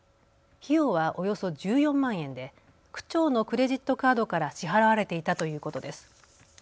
費用はおよそ１４万円で区長のクレジットカードから支払われていたということです。